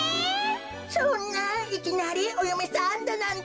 そんないきなりおよめさんだなんて。